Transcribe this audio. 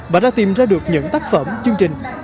và đã tìm ra được những tác phẩm chương trình